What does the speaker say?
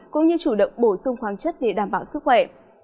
cũng như chủ động bổ sung khoáng chất để đảm bảo sức khỏe